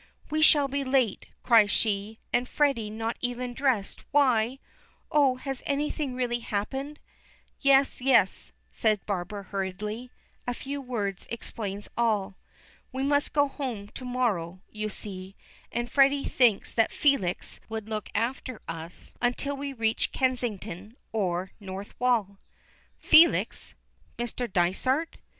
"We shall be late," cries she, "and Freddy not even dressed, why Oh, has anything really happened?" "Yes, yes," says Barbara hurriedly a few words explains all. "We must go home to morrow, you see; and Freddy thinks that Felix would look after us until we reached Kensington or North Wall." "Felix Mr. Dysart?"